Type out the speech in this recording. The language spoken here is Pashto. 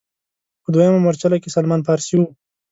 په دویمه مورچله کې سلمان فارسي و.